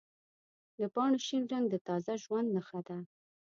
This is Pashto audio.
د پاڼو شین رنګ د تازه ژوند نښه ده.